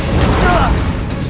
tidak aku akan menyerangmu